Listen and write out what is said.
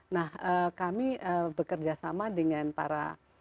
nah kami bekerjasama dengan para